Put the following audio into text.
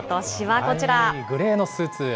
グレーのスーツ。